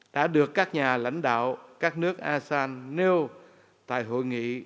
đã được các nhà lãnh đạo các nước asean nêu tại hội nghị